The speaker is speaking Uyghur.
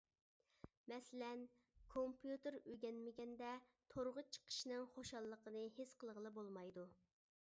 مەسىلەن: كومپيۇتېر ئۆگەنمىگەندە تورغا چىقىشنىڭ خۇشاللىقىنى ھېس قىلغىلى بولمايدۇ.